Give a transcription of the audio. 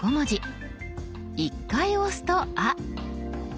１回押すと「あ」。